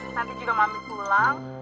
nanti juga mami pulang